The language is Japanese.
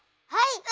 はい！